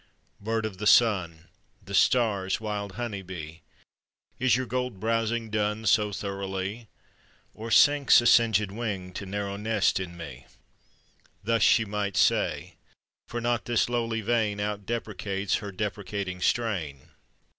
"Bird of the sun! the stars' wild honey bee! Is your gold browsing done so thoroughly? Or sinks a singèd wing to narrow nest in me?" (Thus she might say: for not this lowly vein Out deprecates her deprecating strain.)